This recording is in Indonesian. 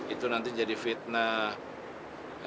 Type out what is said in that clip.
itu nanti jadi fitnah